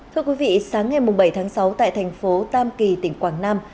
thưa quý vị sáng ngày bảy tháng sáu tại tp tam kỳ tỉnh quảng nam